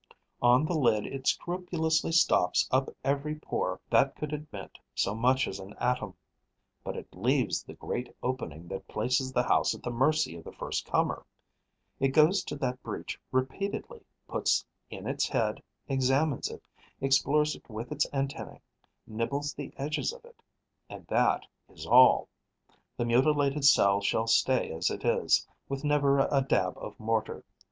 On the lid, it scrupulously stops up every pore that could admit so much as an atom; but it leaves the great opening that places the house at the mercy of the first comer. It goes to that breach repeatedly, puts in its head, examines it, explores it with its antennae, nibbles the edges of it. And that is all. The mutilated cell shall stay as it is, with never a dab of mortar.